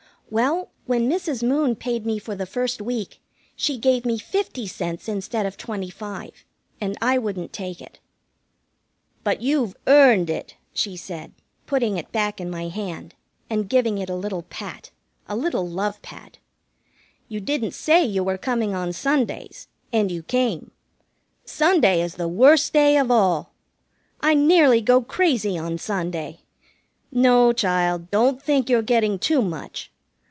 Well, when Mrs. Moon paid me for the first week, she gave me fifty cents instead of twenty five, and I wouldn't take it. "But you've earned it," she said, putting it back in my hand, and giving it a little pat a little love pat. "You didn't say you were coming on Sundays, and you came. Sunday is the worst day of all. I nearly go crazy on Sunday. No, child, don't think you're getting too much.